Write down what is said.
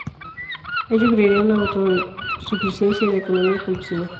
Ello crearía una autosuficiencia en la economía campesina.